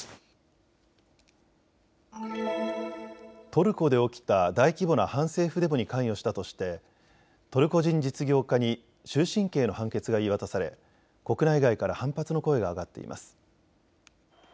トルコで起きた大規模な反政府デモに関与したとしてトルコ人実業家に終身刑の判決が言い渡され国内外から反発の声が上がっています。